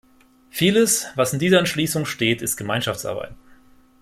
Vieles, was in dieser Entschließung steht, ist Gemeinschaftsarbeit.